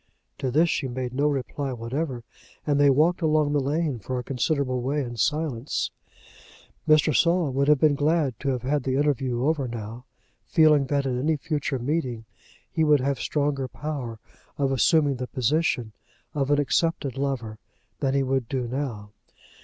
To this she made no reply whatever, and they walked along the lane for a considerable way in silence. Mr. Saul would have been glad to have had the interview over now, feeling that at any future meeting he would have stronger power of assuming the position of an accepted lover than he would do now.